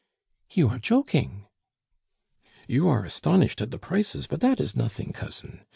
"You are joking." "You are astonished at the prices, but that is nothing, cousin.